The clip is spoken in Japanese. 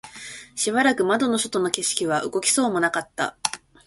しばらく窓の外の景色は動きそうもなかった